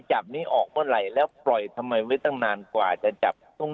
จับนี้ออกเมื่อไหร่แล้วปล่อยทำไมไว้ตั้งนานกว่าจะจับต้อง